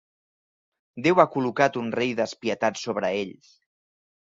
Déu ha col·locat un rei despietat sobre ells.